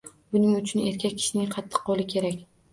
Buning uchun erkak kishining qattiq qoʻli kerak